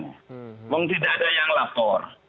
memang tidak ada yang lapor